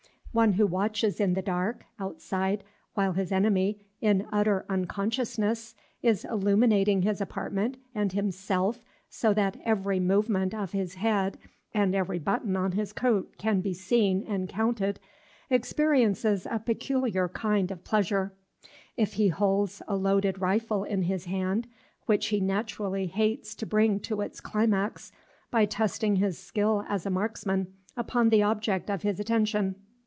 One who watches in the dark, outside, while his enemy, in utter unconsciousness, is illuminating his apartment and himself so that every movement of his head and every button on his coat can be seen and counted, experiences a peculiar kind of pleasure, if he holds a loaded rifle in his hand, which he naturally hates to bring to its climax by testing his skill as a marksman upon the object of his attention.